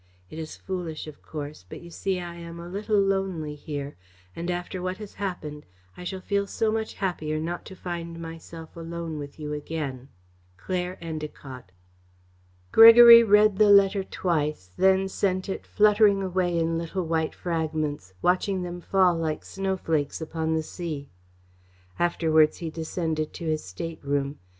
It is foolish, of course, but you see I am a little lonely here, and, after what has happened, I shall feel so much happier not to find myself alone with you again. CLAIRE ENDACOTT. Gregory read the letter twice, then sent it fluttering away in little white fragments, watching them fall like snowflakes upon the sea. Afterwards he descended to his stateroom.